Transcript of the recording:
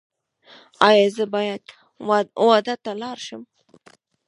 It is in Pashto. ایا زه واده ته لاړ شم؟